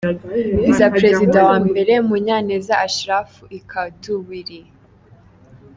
Vis perezida wa mbere: Munyaneza Ashiraf i Kadubiri .